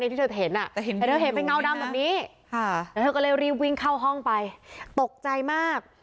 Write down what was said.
แต่เธอเห็นไปเงาดำแบบนี้แต่เธอก็เลยรีบวิ่งเข้าห้องไปตกใจมาก